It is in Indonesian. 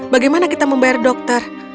bagaimana kita membayar dokter